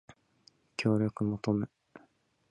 財産および損益の状況